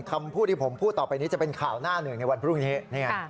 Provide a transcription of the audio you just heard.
คำพูดที่ผมพูดต่อไปนี้จะเป็นข่าวหน้าหนึ่งในวันพรุ่งนี้